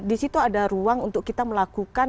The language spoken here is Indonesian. di situ ada ruang untuk kita melakukan